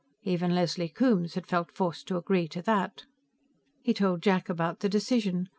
Even Leslie Coombes had felt forced to agree to that. He told Jack about the decision.